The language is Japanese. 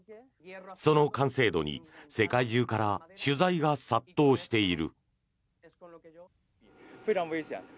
その完成度に世界中から取材が殺到している。